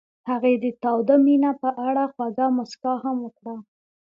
هغې د تاوده مینه په اړه خوږه موسکا هم وکړه.